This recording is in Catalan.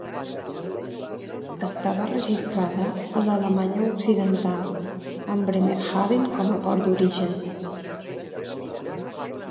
Estava registrada a l'Alemanya Occidental, amb Bremerhaven com a port d'origen.